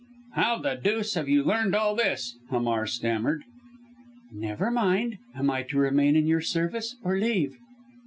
"How the deuce have you learned all this?" Hamar stammered. "Never you mind. Am I to remain in your service or leave?"